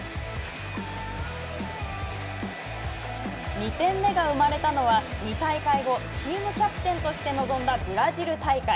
２点目が生まれたのは２大会後チームキャプテンとして臨んだブラジル大会。